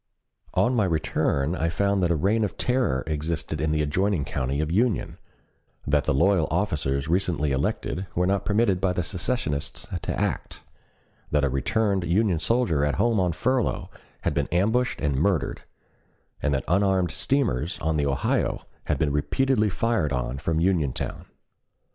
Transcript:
On my return I found that a reign of terror existed in the adjoining county of Union; that the loyal officers recently elected were not permitted by the secessionists to act; that a returned Union soldier at home on furlough had been ambushed and murdered; and that unarmed steamers on the Ohio had been repeatedly fired on from Uniontown.